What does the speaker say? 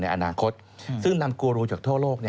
อนาคตซึ่งนำกูรูจากทั่วโลก